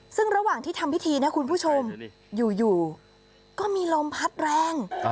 ซึ่งระหว่างที่ทำพิธีนะคุณผู้ชมอยู่ก็มีลมพัดแรง